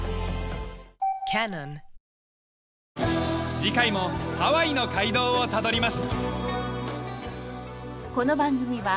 次回もハワイの街道をたどります。